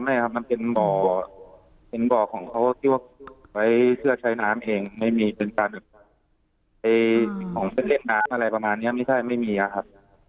ไม่ครับมันเป็นหม่อของเขาที่ว่าไว้เสื้อใช้น้ำเองไม่มีเป็นการเล่นน้ำอะไรประมาณนี้ไม่ใช่ไม่มีครับ